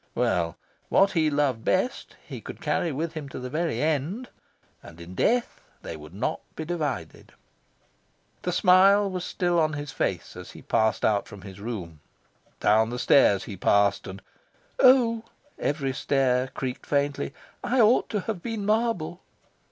Well, what he loved best he could carry with him to the very end; and in death they would not be divided. The smile was still on his face as he passed out from his room. Down the stairs he passed, and "Oh," every stair creaked faintly, "I ought to have been marble!"